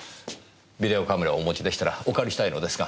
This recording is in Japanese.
ビデオカメラをお持ちでしたらお借りしたいのですが。